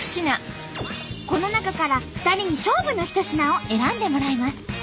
この中から２人に勝負の一品を選んでもらいます。